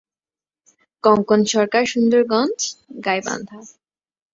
কঙ্কন সরকারসুন্দরগঞ্জ, গাইবান্ধা।